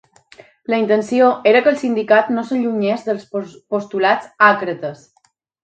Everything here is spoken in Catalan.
La intenció era que el sindicat no s'allunyés dels postulats àcrates.